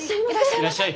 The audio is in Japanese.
いらっしゃい。